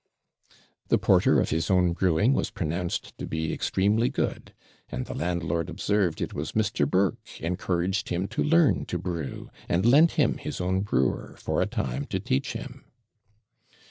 The porter of his own brewing was pronounced to be extremely good; and the landlord observed it was Mr. Burke encouraged him to learn to brew, and lent him his own brewer for a time to teach him.